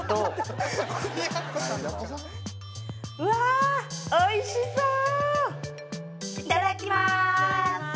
うわー！おいしそう！いただきます！